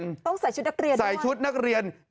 ต้องใส่ชุดนักเรียนใช่ไหม